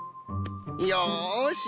よし。